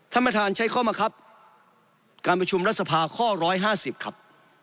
ท่านประธานใช้ข้อบังคับการประชุมรัฐสภาข้อ๑๕๐ครับ